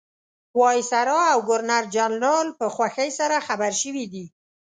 وایسرا او ګورنرجنرال په خوښۍ سره خبر شوي دي.